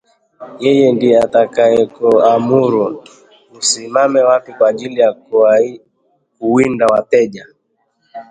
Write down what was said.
yeye ndiye atakayekuamuru usimame wapi kwa ajili ya kuwinda wateja